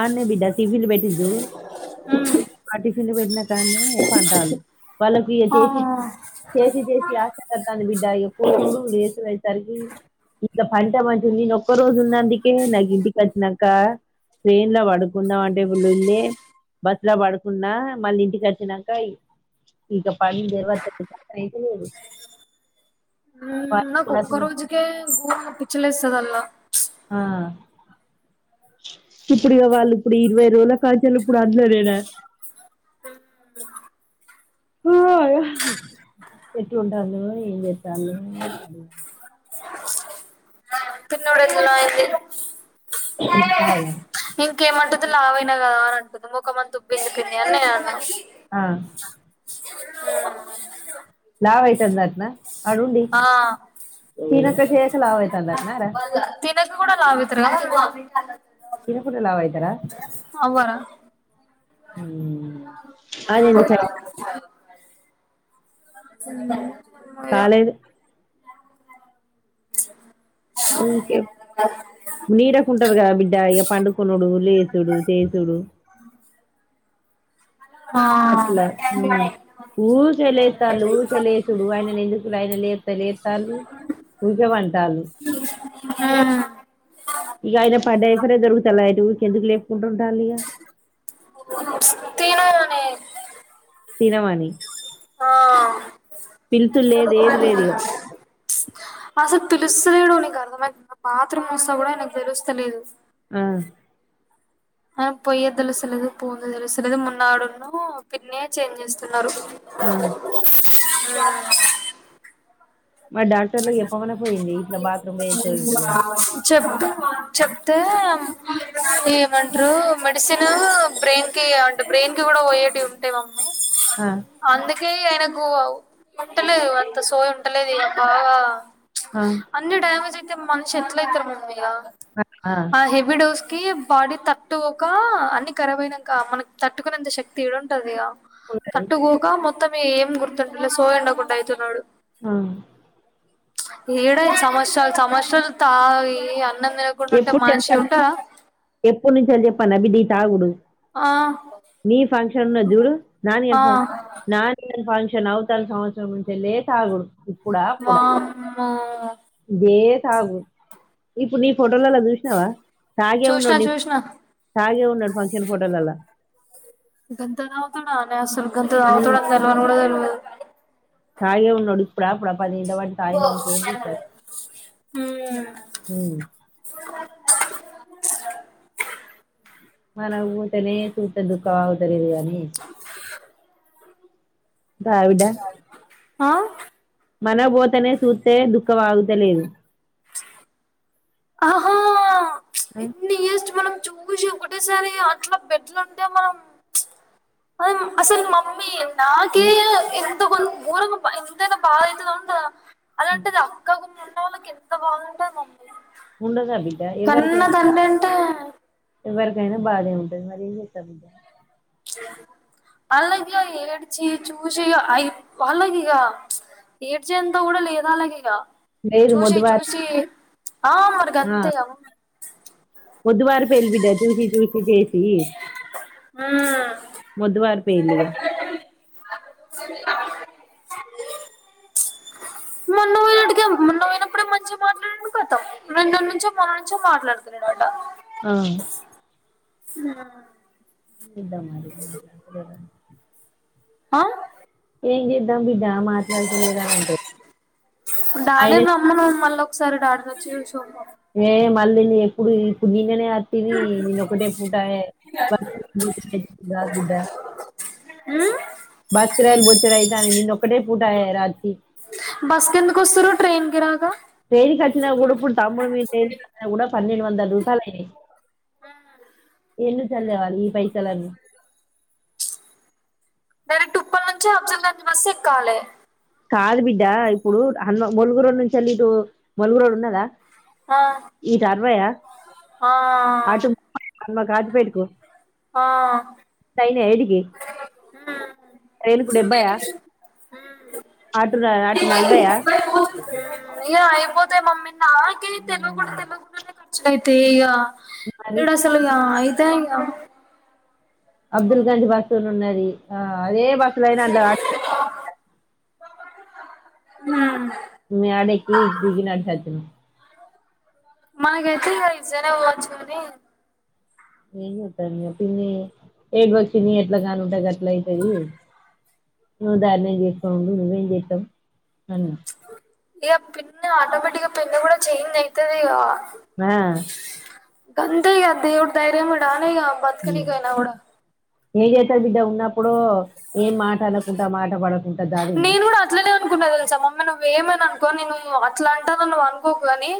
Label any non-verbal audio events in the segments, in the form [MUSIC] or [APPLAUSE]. అనే బిడ్డ టిఫిన్ పెట్టిండు చూడు ఆ టిఫిన్ తినుళ్ళు పెట్టిన కానె ఏ పంటాలు వాళ్ళకి ఇ ఆ చేసి చేసి చేసి ఆశ కతాను బిడ్డ లేసు అయేసరికి ఇంకా పంట మంచింది నేను ఒక్క రోజు ఉన్న అందుకే నాకు ఇంటికి వచ్చినాక ట్రైన్ లో పడుకుందాం అంటే లోలే బస్ లో పడుకున్నా మళ్ళీ ఇంటికి వచ్చినాక ఇక పని జరువతు అయితే లేదు నాకు ఒక్క రోజుకే గోరంగా పిచ్చి లేస్తాది అలా ఆ ఇప్పుడు ఇగ వాళ్ళు ఇప్పుడు ఇరవై రజల కాచాలు ఇప్పుడు అందులో నేనా హయ్యా ఎట్లా ఉంటావో ముచేస్తాన్వో [UNINTELLIGIBLE] [UNINTELLIGIBLE] కుడి కాల ఇంకేమంటంది లావ అయినా కదా అని అనుకుందాం ఒక మంది ఉుబ ఎందుుకుంది అని నేను అన్నాను ఆ ఆ లావ్ అయితునాటనా అడుడి ఆ తినక్క చే ఎసలావ త అందకన్నారుార కూడా లాగుతారా తినకూట లవ్ అయితార అవ్వరా మ్మ్ అది ఎందుకు అయినా అ కాలేదు అ కే నీడకుంటారు కదా బిడ్డ ఇక పండుకున్నాడు లేసుడు చేసుడు ఆ అట్లా హ్మ్ ఊక లేస్తాలు ఊక లేసుడు ఆయన ఎందుకుడు ఆయన లేస్త లేస్తాలు ఊకే వంటాలు ఆ ఇక ఆయన పైఫర్ దొరుకుతు అటుకి ఎందుకు లేపుకుంటు స్ తిన మనే తినవాణి ఆ లేదు ఏది లేదు ఇగ అసలు పిలుసులేడు ఉని అర్థమ బాత్రూమ్ వస్తా కూడా నకు తెలుస్తలేదు ఆ ఆ పొయ్యే దలుసులేదు పూన దలుసు లేదు మున్నాడున్న పిన్నే చేంజ్ చేస్తున్నారు ఆ ఆ మరి డాక్టర్ లోకి చెప్పమన్నా పోయింది ఇట్లా బాత్రూమ్ పో చూపించలేరు చెప్ చెప్తే ఏమంటారు మెడిసిన్ బ్రెయిన్ కి అంటే బ్రెయిన్ కి కూడా ఓయటీ ఉంటా మమ ఆ చి ఆయనకు ఉంటలేదు అంత సోయ ఉంటలేదు ఆ అన్య టైమజ తే మనిషి ఎట్ల అయితారు మమ్ మీగా ఆ హెవీడోస్ క బాడీ తట్టుకోక అన్నిఖరబ్యినాక మనకి తట్టుకునేంత శక్తి ఏడుంటది ఇగ ఉంటది తట్టు గగా మొ కొంత మీ ఏం గుర్తు సోయండకుండా అవుతున్నాడు ఆ ఏడై సమస్యలు సమస్యలు తా ఈ అ ఎప్పుడు చె ఎప్పుడు నుంచి చెప్పన బి ద చాగుడు ఆ మీ ఫంక్షన్న్న చూడు నాది ఏం ఆ ఫ నాది ఏం ఫంక్షన్ నవతాలు సంవత్సం నుంచి లేట్ తాడు వామ్ ఆ ఇే సాగు ఇప్పుడు నీ ఫోటోలలా చూసినావా తాగే చూసిన ఉండోండి చూసిన తాగే ఉ ఫంక్షన్ ఫోటోలలో గంధ ధావతోడా అసలు గంధ ఉమ్, తాగుతున్నాడు తెలవని కూడా తెలియదు [INAUDIBLE] తాగే ఉన్నోడుడిప్పుడాప్పు పది వాటి తయన కేీ సార్ ఉమ్ మన ఊ తనే చూత దుఃఖ అవుతది ఇంగ అ ఆ మనబోతనే చూస్తే దుఃఖ ఆగుతలేదు ఆహా ఆ ఇన్ని ఇయర్స్ మనం చూసి ఒకటేసారి అట్లా బేడ్లు ఉంటే మనం అ అసలు మమ్మీ నాకి ఇంత ము ఊరికి బ ఇందేనా బా ఇయితుద ఉం అలాంటేది అక్కకు వాళ్ళకి ఎంత బాధ ఉంటుందండి ఉండదా బిడ్డ ఎవరికై కన్నా తండభే అంట ఎవరికైనా బాధే ఉంటది మరి ఏం చేస్తాం ఇంక అలాగే ఏడ్చి చూసి అ అలాగ ఇగ ఏడ్చే అంత కూడా లేదు వాళ్ళగి ఇగ లేదు చూసి మొద్దుబారి చూసి ఆ మరి గంతే గద మొదువారి వారి పోయింది బిడ్డ చూసి చూసి చేసి హ మొద్దువారి పోయింది గా మొన్న పోయినటిగా మొన్న పోయినప్పుడే మంచిగా మాట్లాడిండు కదా, నిన్నటి నుంచో మొన్న నుంచో మాట్లాడతలేదట. ఆ ఆ ద్దా మరి మాలా ఆ ఎం చేద్దం బిడ్డ మాట్లాడతలేడు అని అంటే అయిన సరే డాక్టర్ వచ్చిండు చూద్దాం ఏ మళ్ళీ న ఎప్పుడు ఇప్పుడు నననే తిని నేను ఒకటే పుటా [UNINTELLIGIBLE] బిడ్డ హ్మ్ బర్త్డే లు బొచ్చడ అవుతాని నిన్న ఒక్కటే పూటా రాత్రి బస్ కి ఎందుకు వస్తారు ట్రైన్ కి రాగా తేలిక వచ్చినా ఉడుపుకుంట తమ్ముడు మీ తేలిక వచ్చినా కూడా పన్నెండు వందల రూపాయలు అయినాయి ఎన్ని చదివాలి పైసలన్ని డైరెక్ట్ ఉప్పల్ నుంచే అబ్జల్గంజ్ బస్ ఎక్కాలే కాదు బిడ్డ ఇప్పుడు హనుమ ములుగురు నుంచి ఎల్లిదు ములుగురోళ్ళు ఉన్నారా ఆ ఆ ఆ అమ్మా గాజు పేట్ కు పో ఆ నేడికి రైలుకు డెబ్బైయా ఆటు ర్ అ అటు నలభైయ్యా ఐపోతే మమ్మీ నాకే తెల్వకుండ్ తెలవకుండా నే ఖర్చ్ ఐప్ తే ఇగా మరి ఈడ అసల్గా ఐ తె ఇగా అబ్దుల్ గంధీ బస్సునున్నది ఆ అదే బస్సుల అయినా అట్లా ఆ ఉమ్ మ్ యాడికి దిగి నడ్చోచ్చినం. మనకైతే ఇగ జరమొచ్చింది ఏడ్వక్ పిన్ని చెతా ఎట్లా కానుంటే అట్ల ఐతది నువ్వు ధారుణ చేసుకో నుండు నువ్వం చేస్తాం నన్నా ఇగ పిన్న ఆటోమేటిక్గా పిన్ని కుడా చేంజ్ ఐతదిగా మే అంతే ఇగ దేవుడు దైర్యంమీడా తేగా బత్కనీకి ఐనా గూడా ఎంజేత్త బిడ్డ ఉన్నప్పుడు ఏం మాట అనుకుంటా మాట పడుకుం నేను గూడా అట్లనే అనుకున్నా తెలుసా మమ్మీ నువ్వు ఏమైనా అనుకో పోని నువ్వు అట్ల అంటావు అని నువ్వు అనుకోకుగాని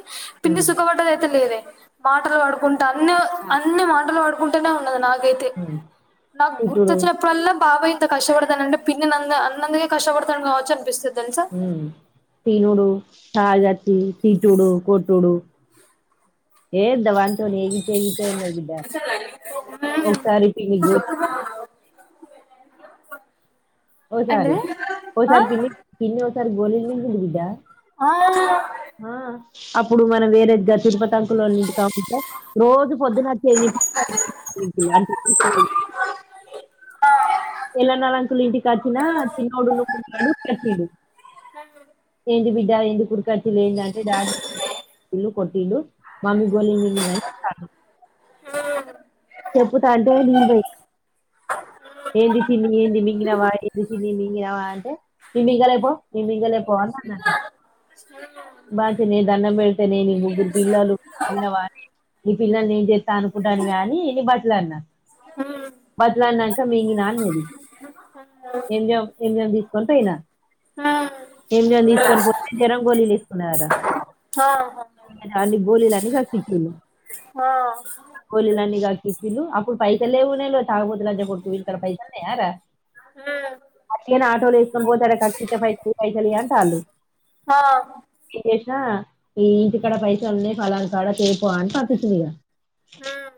పిన్ని సుఖబడ్డదైతే లేదే. పాటల్ పాడుకుం టన్ను అన్ని మాటలుబడు ఉంటనే ఉన్నది నాక్ ఐతే నాకు తిట్టుడు గుర్తచ్చినప్పుడల్లా పాపం ఇంత కష్టపడతెనన్న పిన్ని నిన్న అన్నందుకే కష్టభడతం కావచ్చు అనిపిస్తది. తెలుసా ఉమ్ తినుడు తాగచ్చి తిట్టుడు కొట్టుడు ఏంద్ వాంతొని ఎగిచ్చి ఎగి ఒకసారి పిన్ని గో [UNINTELLIGIBLE] ఒ సారి ఏంటిది ఒ ఆ సారి పిన్ని పిన్ని వొ సర్ గోలిల్ మింగింది బిడ్డా ఆ ఆ అప్పుడు మనం వేరే క తిరుపతి అంకులోలింటికానుంచే రోజు పొద్దునొచ్చేది [UNINTELLIGIBLE] ఎల్లన్నోలంకుల్ ఇంటికచ్చినా చిన్నోడు ఉండు [UNINTELLIGIBLE] తెచ్చిండు. [INAUDIBLE] ఎందుకుడుకట్ లే ఏంటంటే డాడీళ్లు కొట్ళ్ళలు మమ్మీ గోళ మింగందని అ చెప్పుతా అంటే నేను బ ఏంది చిన్ని ఏంది మింగినవా ఏంది చిన్ని మింగినవా అంటే మింగలే పో మే మింగలే పోవాలి అని అంటాం బాగా నేను దండం పెడితేనే నీ ముగ్గురు పిల్లలు పివా నీ పిల్లల్ని ఏం చేస్తా అనుకుంటాను అని న బట్లాడిన బట్లాడినాక మీే నాన్నది ఏం జం ఏం జాం తీసుకొని పోయిన హ్మ్ ఏం జాం తీసుకొని పోతే జరం గోలీలు సునార హా అ గోళలన్నీ కకిక్కిలు ఆ గోళలన్నీ కాకికిలుు అప్పుడు పైసలువున్నా తాకపోతు చె కొడు పైసలుయారా హ్మ్ అచ్చనా ఆటోలు వేసుకొని పోతారా కకి పై పైసలి అంట వాళ్ళు ఆ చేసినా ఈ ఇంటికాడ పైస ఉన్నాయి ఫలానా కాడ చేపోవ అని పంపించింది హ్మ్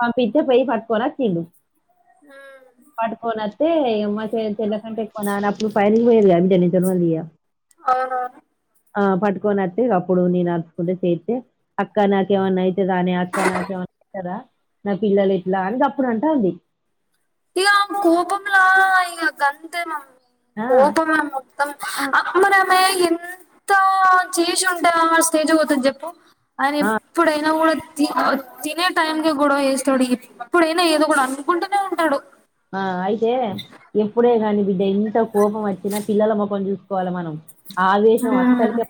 పంపించే పోయి పట్టుకొనిళ హ్మ్ పట్టుకొని వస్తే మా చెల్ల కంటే ఎక్కున అని అప్పుడు పైర్కి పోయదిడన్ని చ అవునవును ఆ పట్టుకొని వతే ఈగ అప్పుడు నేను అరుసుకుంటే చేతే అక్క నాకేమన్నా అయితదనే అక్క నాకేమన్నయితరా నా పిల్లలు ఎట్లా అని గప్పుడు అంటాంది ఇగ ఆమె కోపంలా ఇగ గంతే మనం ఆ, కోపంల మొత్తం ఆ అమరమే ఎంత చేసి ఉంటే ఆమె స్టేజ్ పోతుంది చెప్పు అని ఆ, ఎప్పుడైనా కూడా తినే టైం క గొడవ వేస్తాడు ఇప్పుడైనా ఏదో కూడా అనుకుంటూనే ఉంటాడు ఆ అయితే ఎప్పుడే కానీ బిడ్డ ఎంత కోపం వచ్చినా పిల్లల మొఖం చూసుకోవాలి మనం ఆవేశం మ్మ్ అతరకి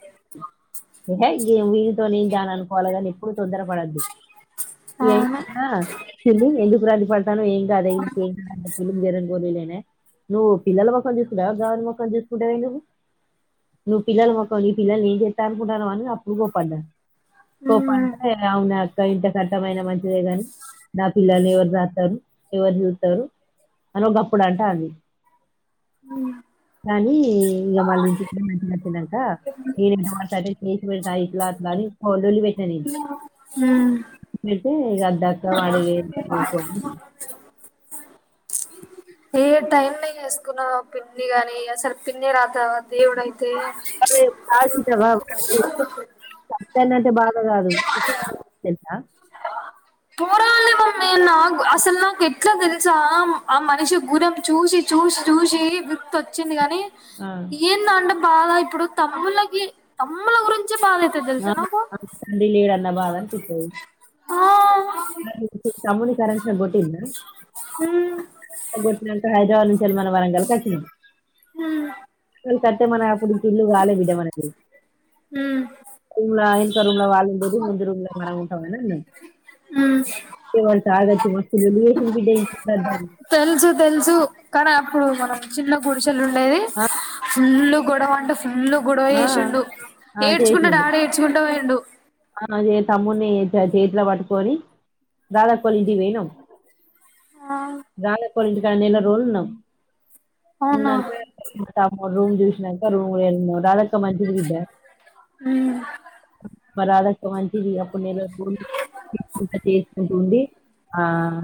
అ గమ ేనుా అనుకోవాలి కానీ ఎప్పుడు తొందరగా వాదు ఎ అవును ఎందుకుది పాడు ఏం కా అదే జరం కోోలేనే నువ్వు పిల్లల మొక్కం తీసుకుంటావ గవని మొం తీసుకుంటావ నువవు నువ్వు పిల్లల మొం నీ పిలల్ని ఏం చెా అనుకుంటావ అని అప్పుడు కోప్పడ్డా మ్మ్ పోప్పంట అవునా ఇ ఇంత కట్టమైన మంచి గాని నా పిల్లాని జ అన గప్పుడు అంట అంది కానీ ఇంక మళ్ళీ ఇంటికిడ మాట్లాడుతున్నాక నేను ఎటువ అయి చేసి పె ఇట్ల అట్లా అని [INAUDIBLE] హూ మ్ ఈ అద్దక్క వాడి ఎందుకు అని ఏ టైం న వేసుకున్నా పిన్ని గాని అసలు పిన్ని రాతవా దేవుడు ఇతే వాడు కాల్చినవా అంటే బాధ కాదు తెలుసా పోరాలమమ్మి నాక్ అస్సలు నాకు ఎట్లా తెలుసా ఆ మనిషి గునామ్ చూసి చూసి చూసి విరక్తి వచ్చింది కాని ఆ, ఏందంట బాగా ఇప్పుడు తమ్ములకి తమ్ముల్ గురిం ఆ డి లేడ అనా బాధా పిస్తది. ఆ తమ్మునీ కరెంట్ షాక్ కొట్టిందా హ్మ్ గొట్నంతా [UNINTELLIGIBLE] వరంగల్ కి వచ్చినం. హ్మ్ సట్ట మన అప్పుడు ఇల్లు కాలే బిడా మనకి హ్మ్ [UNINTELLIGIBLE] దో రూమ్ లో వాళ్ళుండేది ముందు రూమ్ లో మనం ఉంటామని నేన్ ఉమ్ మస్తు లోలి చసిరు బిడా తెలుసు తెలుసు కానీ అప్పుడు మనం చిన్న గుడిస్ చెల్లుండేది ఆ ఫుల్లు గొడవ అంట పుల్లు గొడవ ఆ చేేసిండు ఆ ఏడ్చుకుంట చేసిండు డాడీ ఏడ్చుకుంట పోయిండు ఆ తమ్మున్ని చే చేతిలో పట్టుకొని రాధొక్క వాళ్ళింటికి పొయినం ఆ గాల్ వోళ్ళ ఇంటి కాడ నెల రోజులున్నామ్. అవునా ఉందంటె [INAUDIBLE] రూమ్ చూసినాక రూమ్ లో [UNINTELLIGIBLE] అక్క మంచిది బిడ్డా హ్మ్ మా రాదక్క మంచిది అప్పుడు నెలకు తీస్కుంటా చేసుకుంటుండి ఆ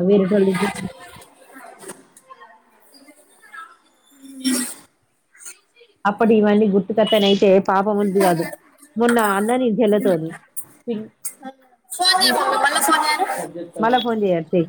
వేరేటోళ్లు [INAUDIBLE] అప్పటి ఇవన్నీ గుర్తుకట్టన అయితే పాపమనబుద్ది కాదు మొన్న అన్నని చెల్లెల్తోని ఫోన్ చేయి మమ్మీ మళ్ళ ఫోన్ చేయను మళ్ళా ఫోన్ చేయాలి. స్తే